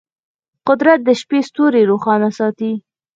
قدرت د شپې ستوري روښانه ساتي.